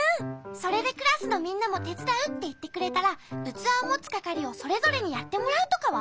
それでクラスのみんなもてつだうっていってくれたらうつわをもつかかりをそれぞれにやってもらうとかは？